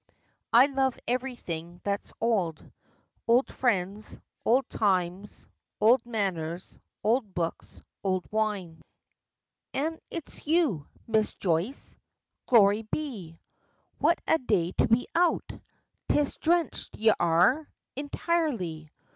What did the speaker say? "I love everything that's old old friends, old times, old manners, old books, old wine." "An' is it you, Miss Joyce? Glory be! What a day to be out! 'Tis drenched y'are, intirely!